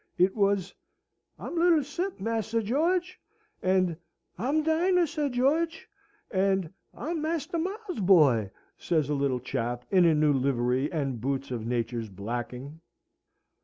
It was, "I'm little Sip, Master George!" and "I'm Dinah, Sir George!" and "I'm Master Miles's boy!" says a little chap in a new livery and boots of nature's blacking.